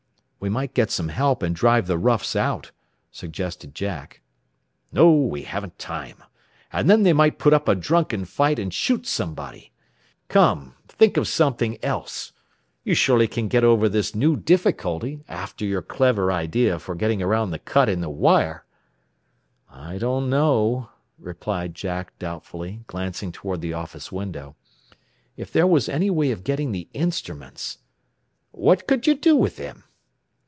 "We might get some help, and drive the roughs out," suggested Jack. "No; we haven't time. And then they might put up a drunken fight and shoot somebody. Come, think of something else. You surely can get over this new difficulty, after your clever idea for getting around the cut in the wire." "I don't know," replied Jack doubtfully, glancing toward the office window. "If there was any way of getting the instruments " "What could you do with them?"